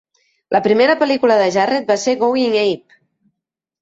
La primera pel·lícula de Jarret va ser Going Ape!